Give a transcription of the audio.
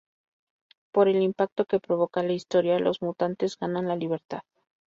Por el impacto que provoca la historia los mutantes ganan la libertad.